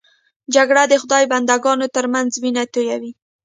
جګړه د خدای بنده ګانو تر منځ وینه تویوي